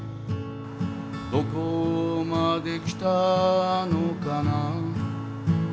「どこまで来たのかな」